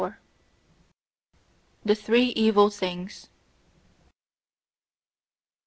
THE THREE EVIL THINGS.